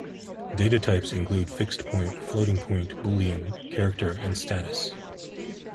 Data types include fixed-point, floating-point, boolean, character and status.